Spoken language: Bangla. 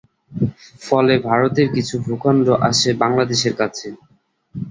ফলে ভারতের কিছু ভূখণ্ড আসে বাংলাদেশের কাছে।